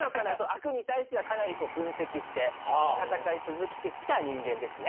悪に対してはかなり分析して戦い続けてきた人間ですね。